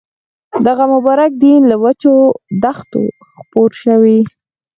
دغه مبارک دین له وچو دښتو خپور شوی.